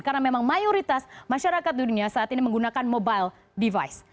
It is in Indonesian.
karena memang mayoritas masyarakat dunia saat ini menggunakan mobile device